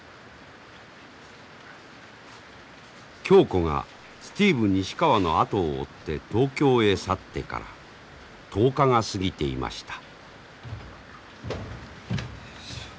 恭子がスティーブ西川の後を追って東京へ去ってから１０日が過ぎていました。